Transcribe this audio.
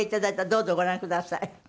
どうぞご覧ください。